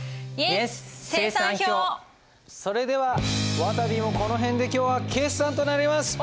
それではわたびもこの辺で今日は決算となります。